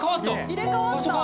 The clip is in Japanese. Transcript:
入れ替わった。